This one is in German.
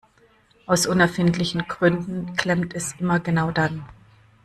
Aus unerfindlichen Gründen klemmt es immer genau dann.